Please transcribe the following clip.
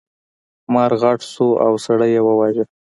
مار غټ شو او سړی یې وواژه.